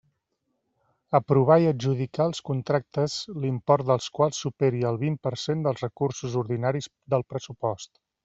Aprovar i adjudicar els contractes l'import dels quals superi el vint per cent dels recursos ordinaris del pressupost.